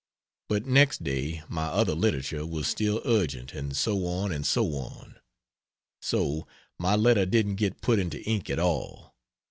But next day my other literature was still urgent and so on and so on; so my letter didn't get put into ink at all.